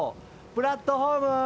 プラットホーム！